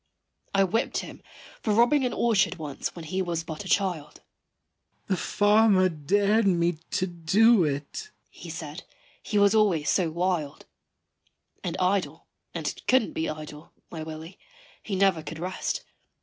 I whipt him for robbing an orchard once when he was but a child "The farmer dared me to do it," he said; he was always so wild And idle and couldn't be idle my Willy he never could rest.